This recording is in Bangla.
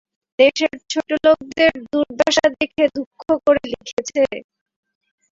দেশের ছোটোলোকদের দুর্দশা দেখে দুঃখ করে লিখেছে।